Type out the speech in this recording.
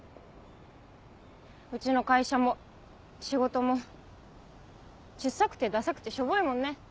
うちの会社も仕事も小っさくてダサくてショボいもんね。